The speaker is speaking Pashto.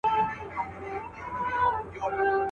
چی له خپلو انسانانو مو زړه شین سي.